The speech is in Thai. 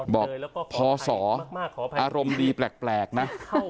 บอกพศอารมณ์ดีแปลกนะ